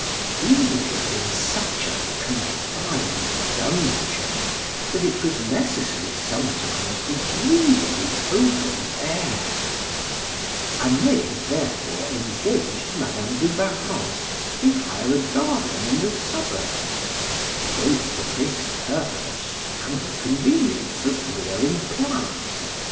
We lived in such a confined dungeon, that it was necessary sometimes to breathe the open air; Anet, therefore, engaged Madam de Warrens to hire a garden in the suburbs, both for this purpose and the convenience of rearing plants, etc.